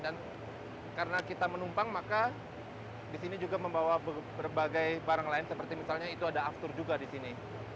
dan karena kita menumpang maka disini juga membawa berbagai barang lain seperti misalnya itu ada aftur juga disini